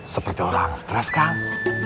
seperti orang yang stres kang